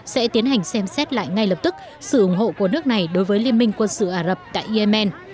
sẽ tiến hành xem xét lại ngay lập tức sự ủng hộ của nước này đối với liên minh quân sự ả rập tại yemen